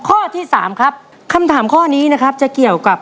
แล้ววันนี้ผมมีสิ่งหนึ่งนะครับเป็นตัวแทนกำลังใจจากผมเล็กน้อยครับ